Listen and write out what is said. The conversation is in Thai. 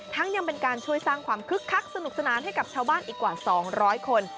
ยังเป็นการช่วยสร้างความคึกคักสนุกสนานให้กับชาวบ้านอีกกว่า๒๐๐คน